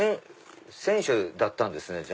選手だったんですね